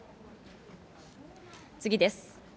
次です。